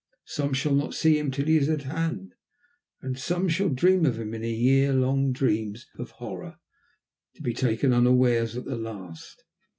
Some shall not see him till he is at hand, and some shall dream of him in year long dreams of horror, to be taken unawares at the last.